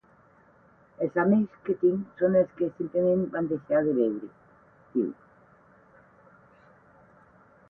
"Els amics que tinc són els que simplement van deixar de veure" diu.